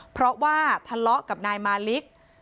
เพราะว่าทะเลาะกับนายมาลิก